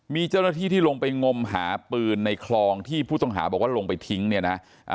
มีเจ้าหน้าที่ที่ลงไปงมหาปืนในคลองที่ผู้ต้องหาบอกว่าลงไปทิ้งเนี่ยนะ